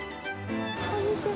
こんにちは。